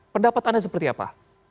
pendapat anda seperti apa